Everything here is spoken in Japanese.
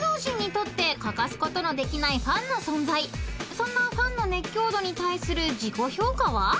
［そんなファンの熱狂度に対する自己評価は］